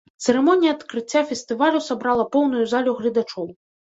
Цырымонія адкрыцця фестывалю сабрала поўную залю гледачоў.